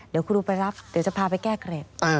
เดี๋ยวครูไปรับเดี๋ยวจะพาไปแก้เกร็ด